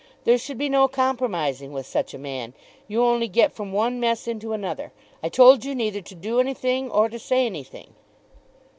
There should be no compromising with such a man. You only get from one mess into another. I told you neither to do anything or to say anything."